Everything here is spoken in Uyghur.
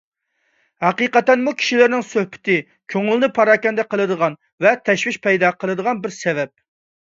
ھەقىقەتەنمۇ كىشىلەرنىڭ سۆھبىتى كۆڭۈلنى پاراكەندە قىلىدىغان ۋە تەشۋىش پەيدا قىلىدىغان بىر سەۋەب.